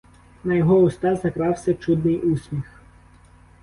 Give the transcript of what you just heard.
На його уста закрався чудний усміх!